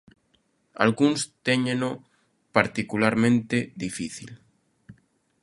Algúns téñeno particularmente difícil.